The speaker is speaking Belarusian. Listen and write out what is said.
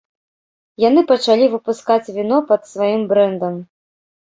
Яны пачалі выпускаць віно пад сваім брэндам.